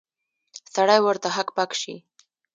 سړی ورته هک پک شي.